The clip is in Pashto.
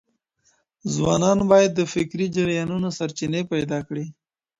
ځوانان بايد د فکري جريانونو سرچينې پيدا کړي.